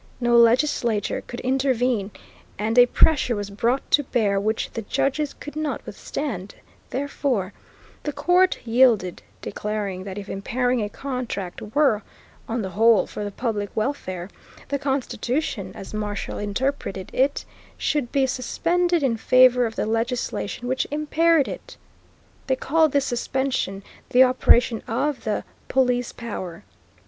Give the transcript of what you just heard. No legislature could intervene, and a pressure was brought to bear which the judges could not withstand; therefore, the Court yielded, declaring that if impairing a contract were, on the whole, for the public welfare, the Constitution, as Marshall interpreted it, should be suspended in favor of the legislation which impaired it. They called this suspension the operation of the "Police Power."